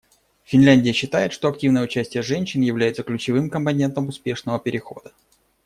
Финляндия считает, что активное участие женщин является ключевым компонентом успешного перехода.